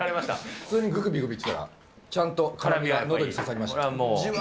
普通にぐびぐびいってたらちゃんと辛みがのどに刺さりました。